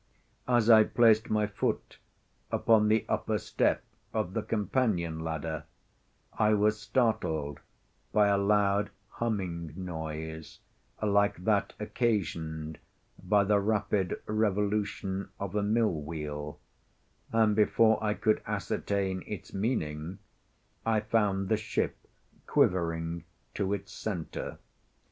As I placed my foot upon the upper step of the companion ladder, I was startled by a loud, humming noise, like that occasioned by the rapid revolution of a mill wheel, and before I could ascertain its meaning, I found the ship quivering to its centre.